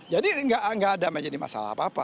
jadi tidak ada menjadi masalah apa apa